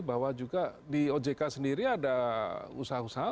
bahwa juga di ojk sendiri ada usaha usaha